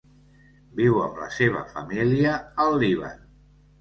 Viu amb la seva família al Líban.